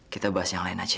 kita bahas yang lain aja ya